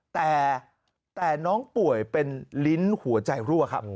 แต่น้องป่วยเป็นลิ้นหัวใจรั่วครับ